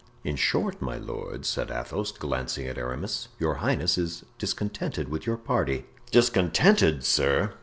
"In short, my lord," said Athos, glancing at Aramis, "your highness is discontented with your party?" "Discontented, sir!